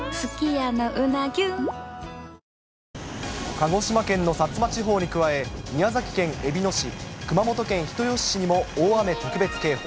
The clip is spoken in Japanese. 鹿児島県の薩摩地方に加え、宮崎県えびの市、熊本県人吉市にも大雨特別警報。